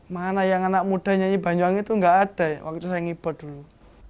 mana yang anak muda nyanyi banyuwangi itu nggak ada ya waktu itu saya ngibot dulu